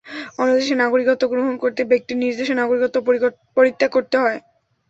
অন্য দেশের নাগরিকত্ব গ্রহণ করতে ব্যক্তির নিজ দেশের নাগরিকত্ব পরিত্যাগ করতে হয়।